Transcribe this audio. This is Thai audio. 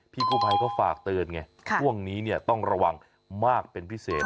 กู้ภัยก็ฝากเตือนไงช่วงนี้เนี่ยต้องระวังมากเป็นพิเศษ